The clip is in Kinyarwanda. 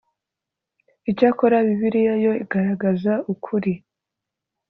icyakora bibiliya yo igaragaza ukuri